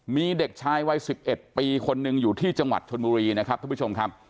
มีเด็กชายวัย๑๑ปีคนหนึ่งอยู่ที่จังหวัดชนบุรีนะครับท่านผู้ชมครับ